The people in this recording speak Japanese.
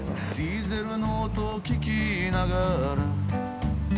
「ディーゼルの音を聞きながら」